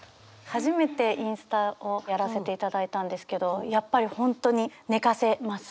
初めてインスタをやらせていただいたんですけどやっぱり本当に寝かせます。